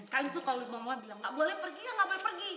kan itu kalau ibu mama bilang gak boleh pergi ya gak boleh pergi